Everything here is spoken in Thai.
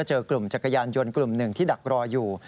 เจอกลุ่มจักรยานยนต์กลุ่มหนึ่งที่ดักรออยู่